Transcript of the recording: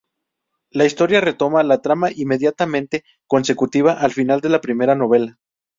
La historia retoma la trama inmediatamente consecutiva al final de la primera novela.